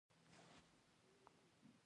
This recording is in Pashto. واوره د افغانستان د طبیعي پدیدو یو رنګ دی.